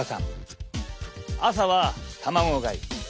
朝は卵がゆ